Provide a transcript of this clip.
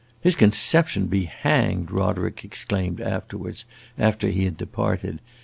"His conception be hanged!" Roderick exclaimed, after he had departed.